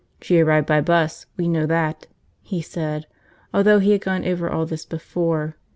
"She arrived by bus, we know that," he said, although he had gone over all this before.